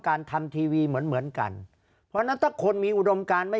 ทำทีวีเหมือนเหมือนกันเพราะฉะนั้นถ้าคนมีอุดมการไม่